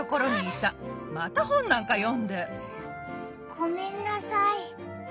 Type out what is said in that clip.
ごめんなさい。